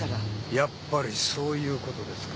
やっぱりそういうことですか。